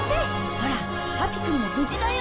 ほらパピくんも無事だよ。